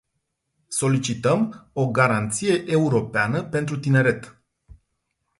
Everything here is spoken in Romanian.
Solicităm o "Garanție europeană pentru tineret”.